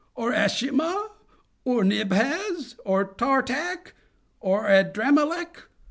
—or Ashimah?—or Nibhaz,—or Tartak?—or Adramalech?